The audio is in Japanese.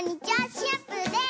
シナプーです！